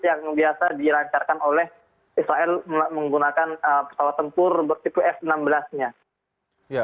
yang biasa dirancarkan oleh israel menggunakan pesawat tempur bertipe f enam belas nya